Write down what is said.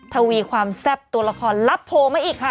ทวีความแซ่บตัวละครลับโพลมาอีกค่ะ